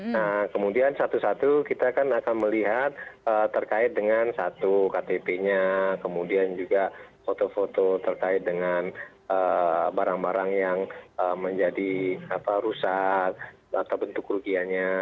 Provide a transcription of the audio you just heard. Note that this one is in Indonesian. nah kemudian satu satu kita kan akan melihat terkait dengan satu ktp nya kemudian juga foto foto terkait dengan barang barang yang menjadi rusak atau bentuk kerugiannya